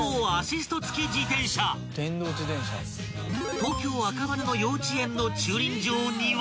［東京赤羽の幼稚園の駐輪場には］